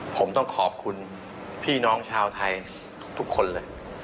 ผมต้องขอบคุณพี่น้องชาวไทยทุกคนเลย